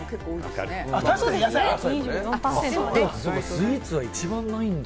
スイーツは一番ないんだ？